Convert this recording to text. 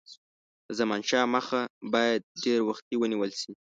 د زمانشاه مخه باید ډېر وختي ونیوله شي.